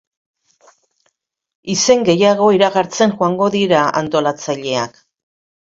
Izen gehiago iragartzen joango dira antolatzaileak.